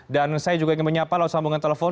dan saya juga ingin menyapa lalu sambungan telepon